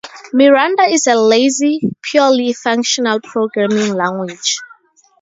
Miranda is a lazy, purely functional programming language.